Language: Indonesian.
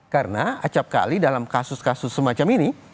karena acapkali dalam kasus kasus semacam ini